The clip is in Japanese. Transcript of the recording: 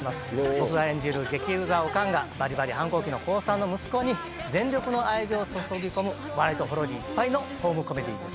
僕が演じる激うざオカンがバリバリ反抗期の高３の息子に全力の愛情を注ぎ込む笑いとホロリいっぱいのホームコメディーです。